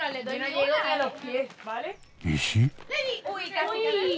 石！？